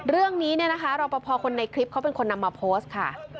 เรื่องนี้เนี่ยนะคะรอปภคนในคลิปเขาเป็นคนนำมาโพสต์ค่ะ